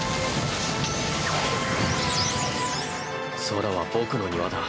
空は僕の庭だ。